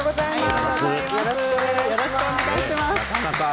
よろしくお願いします。